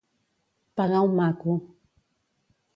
Pegar un maco.